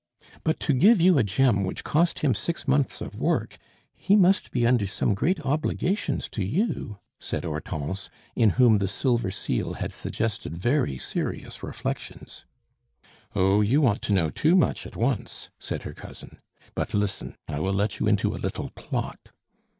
"But to give you a gem which cost him six months of work, he must be under some great obligations to you?" said Hortense, in whom the silver seal had suggested very serious reflections. "Oh, you want to know too much at once!" said her cousin. "But, listen, I will let you into a little plot."